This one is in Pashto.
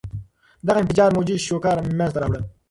دغه انفجار موجي شوک منځته راوړي.